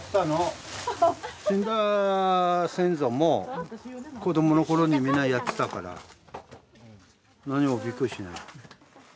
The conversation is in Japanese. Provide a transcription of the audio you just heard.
死んだ先祖も子どもの頃にみんなやってたから何もびっくりしない。